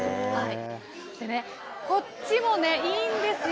でね、こっちもね、いいんですよ。